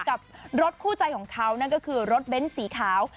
กับรถคู่ใจของเขานั่นก็คือรถเบ้นสีขาว